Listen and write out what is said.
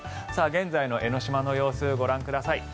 現在の江の島の様子ご覧ください。